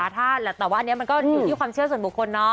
แต่ว่าอันนี้มันก็อยู่ที่ความเชื่อส่วนบุคคล